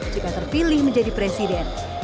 jika terpilih menjadi presiden